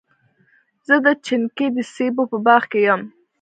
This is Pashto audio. زه د چنګۍ د سېبو په باغ کي یم.